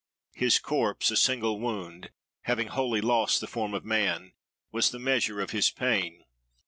His corpse, a single wound, having wholly lost the form of man, was the measure of his pain.